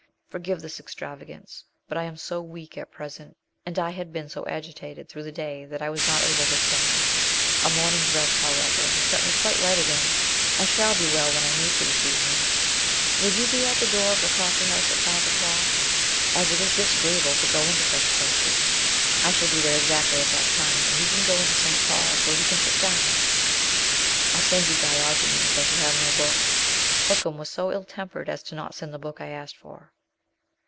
Forgive this extravagance ; but I am so very weak at present, and I had been so agitated through the day, that I was not able to stand ; a morning's rest, however, will set me quite right again; I shall be well when I meet you this evening. Will you be at the door of the coffee house at five o'clock, as it is disagreeable to go into such places? I shall be there exactly at that time, and we can go into St. Paul's, where we can sit down. I send you "Diogenes," as you have no books; Hookham was so ill tempered as not to send the book I asked for.